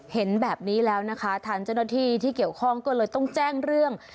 เห็นแบบนี้แล้วนะคะทางเจ้าหน้าที่ที่เกี่ยวข้องก็เลยต้องแจ้งเรื่อง